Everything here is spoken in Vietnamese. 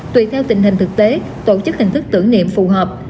tùy theo tình hình thực tế tổ chức hình thức tưởng niệm phù hợp